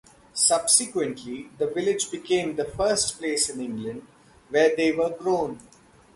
Subsequently, the village became the first place in England where they were grown.